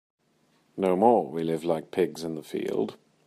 No more we live like pigs in the field.